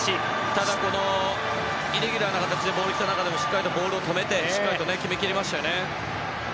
ただ、イレギュラーな形でボールが来た中でもしっかりとボールを止めてしっかり決めきれましたね。